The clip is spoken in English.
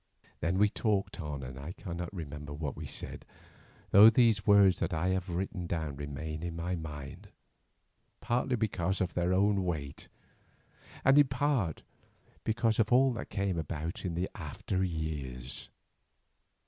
Then we talked on, and I cannot remember what we said, though these words that I have written down remain in my mind, partly because of their own weight, and in part because of all that came about in the after years.